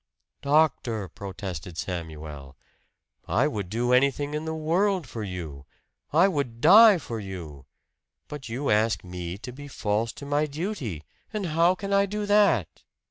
"Doctor," protested Samuel, "I would do anything in the world for you I would die for you. But you ask me to be false to my duty; and how can I do that?"